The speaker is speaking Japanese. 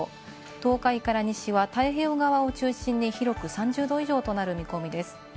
東海から西は太平洋側を中心に広く３０度以上となる見込みです。